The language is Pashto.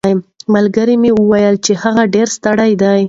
ملګري مې وویل چې هغه ډېر ستړی دی.